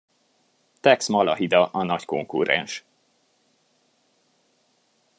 Tex Malahida a nagy konkurrens.